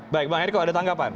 baik bang eriko ada tanggapan